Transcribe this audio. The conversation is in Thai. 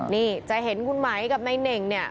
นี่จะเห็นคุณไหมกับนายเน่งเนี่ย